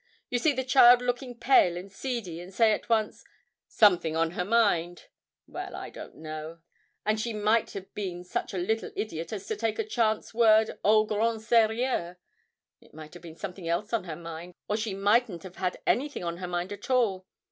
You see the child looking pale and seedy, and say at once, "something on her mind." Well, I don't know, and she might have been such a little idiot as to take a chance word au grand sérieux; it might have been something else on her mind; or she mightn't have had anything on her mind at all.